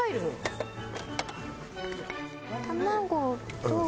卵と。